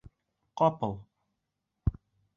Ҡапыл...